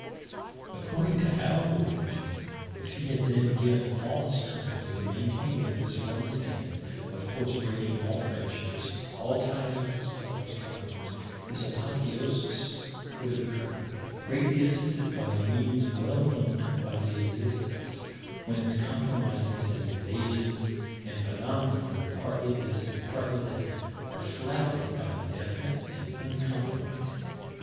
According to our religion, if he had then given all his time to the maintaining of this one stand, of course breaking all friendships, all ties with his fellow astronomers, his apotheosis would have occurred, greatly assisted by means well known to quasi existence when its compromises and evasions, and phenomena that are partly this and partly that, are flouted by the definite and uncompromising.